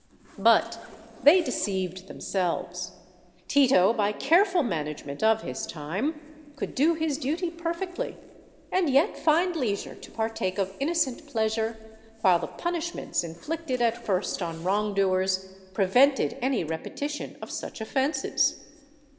But they deceived themselves. Tito, by careful man agement of his time, could do his duty perfectly, and yet find leisure to partake of innocent pleasure, while the punishments inflicted at first on wrongdoers prevented any repetition of such offenses.